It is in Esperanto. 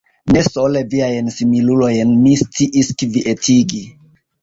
Ne sole viajn similulojn mi sciis kvietigi.